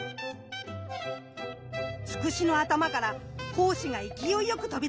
ツクシの頭から胞子が勢いよく飛び出しました。